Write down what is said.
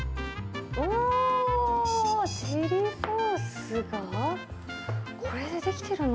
おー、チリソースが、これでできてるの？